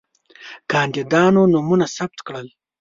کاندیدانو نومونه ثبت کړل.